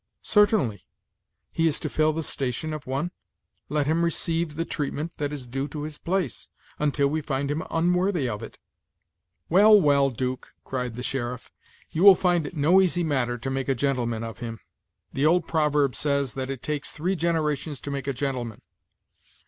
"Certainly; he is to fill the station of one. Let him receive the treatment that is due to his place, until we find him unworthy of it." "Well, well, 'Duke," cried the sheriff, "you will find it no easy matter to make a gentleman of him. The old proverb says that 'it takes three generations to make a gentleman.'